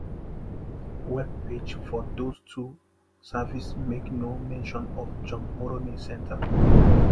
Web pages for those two services make no mention of the John Morony centre.